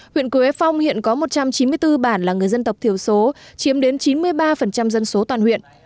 huyện quế phong hiện có một trăm chín mươi bốn bản là người dân tộc thiểu số chiếm đến chín mươi ba dân số toàn huyện